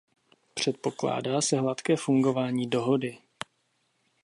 Předpokládá se hladké fungování dohody.